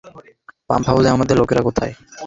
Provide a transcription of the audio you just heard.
Pump হাউসে আমাদের লোকেরা কোথায়?